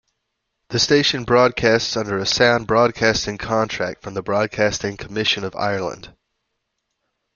The station broadcasts under a sound broadcasting contract from the Broadcasting Commission of Ireland.